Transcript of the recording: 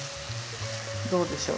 どうでしょう。